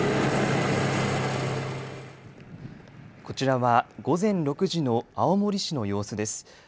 こちらは午前６時の青森市の様子です。